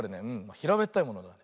ひらべったいものがある。